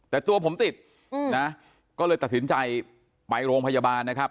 แต่ตัวผมติดนะก็เลยตัดสินใจไปโรงพยาบาลนะครับ